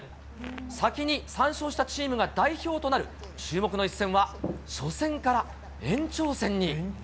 先に３勝したチームが代表となる、注目の一戦は初戦から延長戦に。